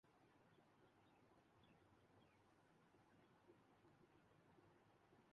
Microsoft corporation نے کہنا ہونا کہ وُہ اپنا تازہ ترین کنسول کو نومبر میں کِسی وقت فروخت کا لینا پیش کرنا گانا